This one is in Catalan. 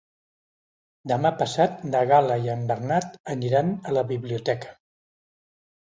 Demà passat na Gal·la i en Bernat aniran a la biblioteca.